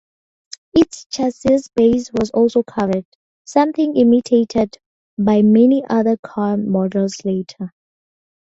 Its chassis base was also covered, something imitated by many other car models later.